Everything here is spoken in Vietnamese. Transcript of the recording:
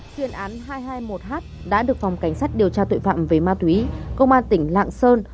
chuyên án hai trăm hai mươi một h đã được phòng cảnh sát điều tra tội phạm về ma túy công an tỉnh lạng sơn